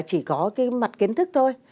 chỉ có cái mặt kiến thức thôi